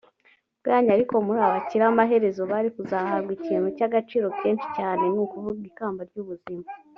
bwanyu ariko muri abakire amaherezo bari kuzahabwa ikintu cy agaciro kenshi cyane ni ukuvuga ikamba ry ubuzima